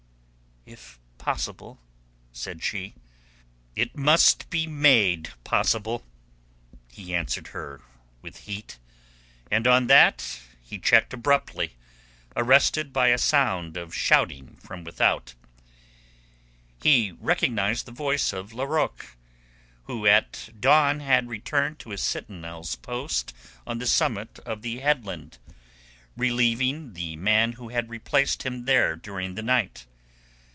"If possible," said she. "It must be made possible," he answered her with heat, and on that he checked abruptly, arrested by a sound of shouting from without. He recognized the voice of Larocque, who at dawn had returned to his sentinel's post on the summit of the headland, relieving the man who had replaced him there during the night.